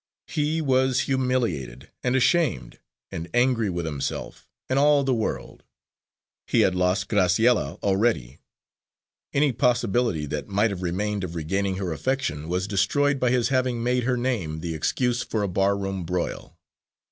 He was humiliated and ashamed, and angry with himself and all the world. He had lost Graciella already; any possibility that might have remained of regaining her affection, was destroyed by his having made her name the excuse for a barroom broil.